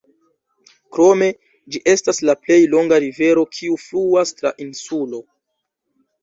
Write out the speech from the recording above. Krome ĝi estas la plej longa rivero kiu fluas tra insulo.